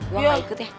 gue enggak ikut ya